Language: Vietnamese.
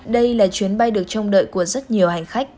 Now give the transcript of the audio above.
đây là chuyến bay được trông đợi của rất nhiều hành khách